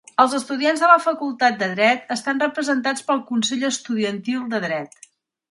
Els estudiants de la Facultat de Dret estan representats pel Consell Estudiantil de Dret.